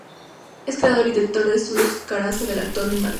Es Creador y Director del ‘Estudio Corazza para el Actor’ en Madrid.